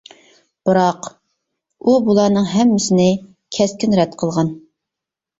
بىراق، ئۇ بۇلارنىڭ ھەممىسىنى كەسكىن رەت قىلغان.